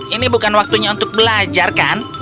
ini bukan waktunya untuk belajar kan